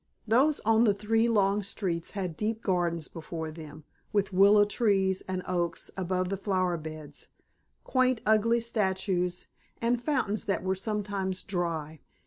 Those on the three long streets had deep gardens before them, with willow trees and oaks above the flower beds, quaint ugly statues, and fountains that were sometimes dry.